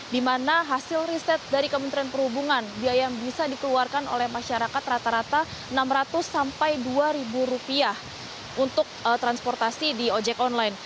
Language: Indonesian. di mana hasil riset dari kementerian perhubungan biaya yang bisa dikeluarkan oleh masyarakat rata rata rp enam ratus sampai rp dua untuk transportasi di ojek online